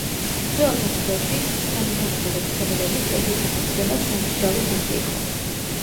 ძველად საქართველოში სამოსამართლო დაწესებულების ერთ-ერთი სახელწოდება სამსჯავრო სახლი იყო...